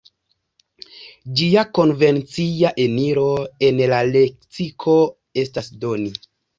Ĝia konvencia eniro en la leksiko estas "doni".